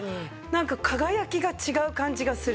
なんか輝きが違う感じがする。